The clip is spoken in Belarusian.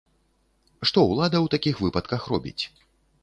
Што ўлада ў такіх выпадках робіць?